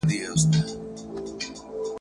غلامان دي د بل غولي ته روزلي `